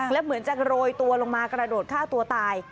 และเหมือนจะโรยตัวลงมากระโดดฆ่าตัวตาย